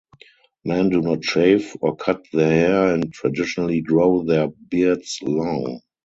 Men do not shave or cut their hair and traditionally grow their beards long.